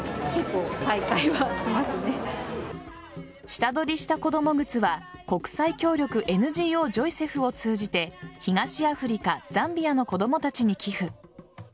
下取りした子供靴は国際協力ＮＧＯジョイセフを通じて東アフリカ・ザンビアの子供たちに寄付。